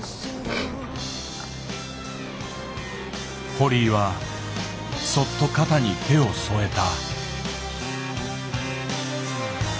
堀井はそっと肩に手を添えた。